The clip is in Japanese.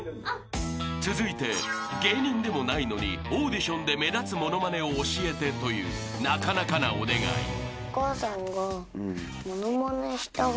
［続いて芸人でもないのにオーディションで目立つモノマネを教えてというなかなかなお願い］